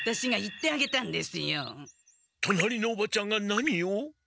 隣のおばちゃんが何を？